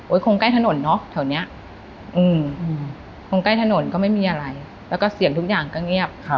คงใกล้ถนนเนาะแถวนี้คงใกล้ถนนก็ไม่มีอะไรแล้วก็เสียงทุกอย่างก็เงียบ